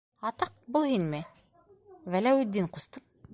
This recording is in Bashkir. Атаҡ... был һинме, Вәләүетдин ҡустым?